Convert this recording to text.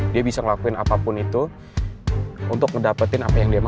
dia bisa ngelakuin apapun itu untuk dapetin apa yang dia mau